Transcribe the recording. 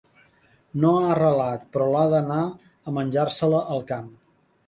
No ha arrelat, però, la d'anar a menjar-se-la al camp.